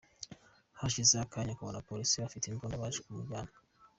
Hashize akanya abona abapolisi bafite imbunda baje kumujyana.